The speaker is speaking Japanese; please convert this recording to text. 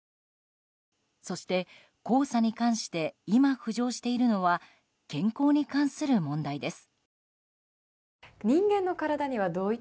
そして、黄砂に関して今、浮上しているのは健康に関する問題です。